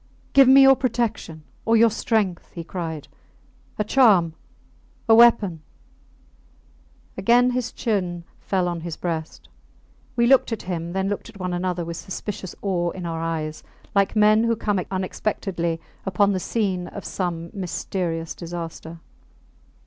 Give me your protection or your strength! he cried. A charm ... a weapon! Again his chin fell on his breast. We looked at him, then looked at one another with suspicious awe in our eyes, like men who come unexpectedly upon the scene of some mysterious disaster.